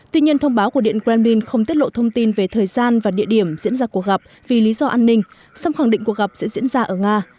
tuy nhiên thông báo của điện kremlin không tiết lộ thông tin về thời gian và địa điểm diễn ra cuộc gặp vì lý do an ninh sắp khẳng định cuộc gặp sẽ diễn ra ở nga